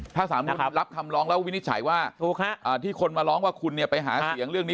ถ้าสารนุนรับคำร้องแล้ววินิจฉัยว่าที่คนมาร้องว่าคุณเนี่ยไปหาเสียงเรื่องนี้